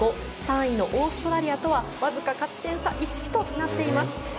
３位のオーストラリアとはわずか勝ち点差１となっています。